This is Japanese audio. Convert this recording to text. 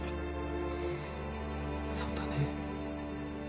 そうだね。